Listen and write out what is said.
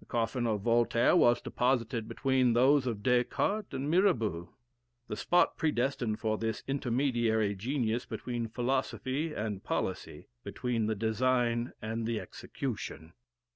The coffin of Voltaire was deposited between those of Descartes and Mirabeau the spot predestined for this intermediary genius between philosophy and policy, between the design and the execution."